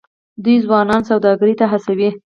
دوی ځوانان سوداګرۍ ته هڅوي.